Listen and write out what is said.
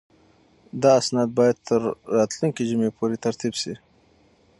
دا اسناد باید تر راتلونکې جمعې پورې ترتیب شي.